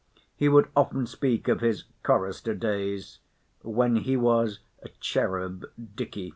He would often speak of his chorister days, when he was "cherub Dicky."